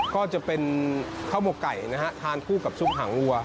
ก็จะเป็นข้าวหมกไก่นะฮะทานคู่กับซุปหางวัว